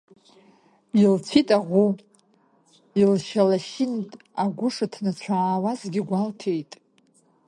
Илцәит аӷәы, илшьалашьынит, агәы шыҭнацәаауазгьы гәалҭеит.